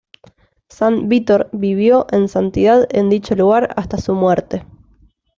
San Vítor vivió en santidad en dicho lugar hasta su muerte.